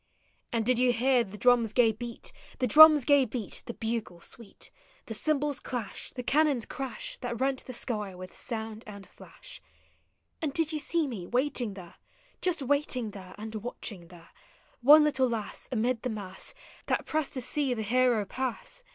And did you hear the drums' gay beat, The drums' gay beat, the bugle sweet, Digitized by Google YOUTH. 207 The cymbals' clash, the camions' crash. That rent the sky with sound anil Hash? And did you see me waiting there. Just waiting there and watching there, One little lass, amid the mass That pressed to see the hero pass?